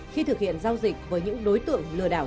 khi thực hiện giao dịch với những đối tượng lừa đảo